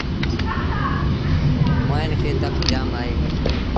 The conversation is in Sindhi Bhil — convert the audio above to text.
موهيݩ کي تپ جآم اهي۔